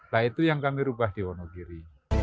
nah itu yang kami ubah di wonogiri